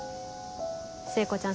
聖子ちゃん